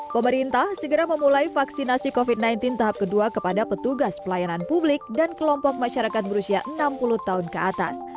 pemerintah segera memulai vaksinasi covid sembilan belas tahap kedua kepada petugas pelayanan publik dan kelompok masyarakat berusia enam puluh tahun ke atas